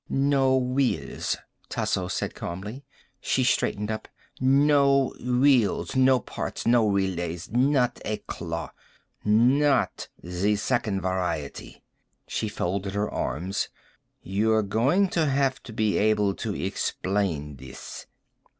"No wheels," Tasso said calmly. She straightened up. "No wheels, no parts, no relays. Not a claw. Not the Second Variety." She folded her arms. "You're going to have to be able to explain this."